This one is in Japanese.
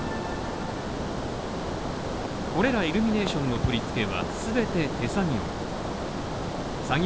これらイルミネーションの取り付けは全て手作業。